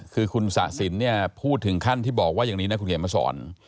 คือคุณสะสินเนี่ยพูดถึงขั้นที่บอกว่าอย่างนี้นะคุณเขียนมาสอน